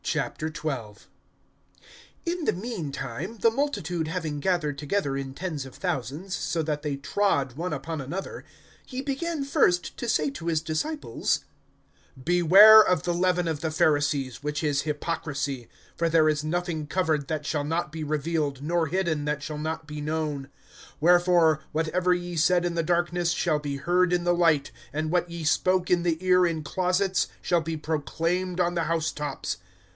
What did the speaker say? IN the mean time, the multitude having gathered together in tens of thousands, so that they trod one upon another, he began first to say to his disciples: Beware of the leaven of the Pharisees, which is hypocrisy. (2)For there is nothing covered, that shall not be revealed, nor hidden, that shall not be known. (3)Wherefore, whatever ye said in the darkness, shall be heard in the light; and what ye spoke in the ear in closets, shall be proclaimed on the house tops.